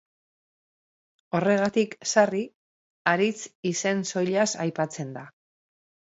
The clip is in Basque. Horregatik, sarri haritz izen soilaz aipatzen da.